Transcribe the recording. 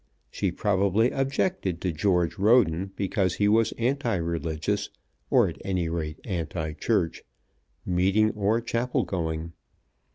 She probably objected to George Roden because he was anti religious, or at any rate anti church, meeting, or chapel going.